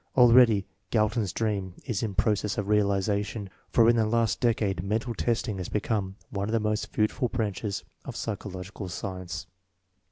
Already Galton's dream is in process of realization, for in the last decade mental testing has become one of the most fruitful branches of psychological science.